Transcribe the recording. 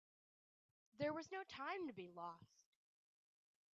There was no time to be lost.